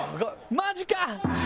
マジか！